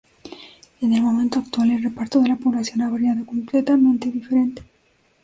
En el momento actual, el reparto de la población ha variado completamente diferente.